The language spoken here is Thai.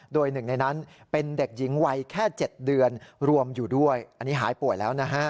โดยหนึ่งในนั้นเป็นเด็กหญิงวัยแค่๗เดือนรวมอยู่ด้วยอันนี้หายป่วยแล้วนะฮะ